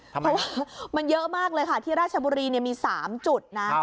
ทำไมมันเยอะมากเลยค่ะที่ราชบุรีเนี่ยมี๓จุดนะ